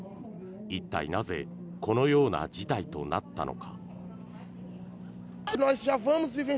一体、なぜこのような事態となったのか。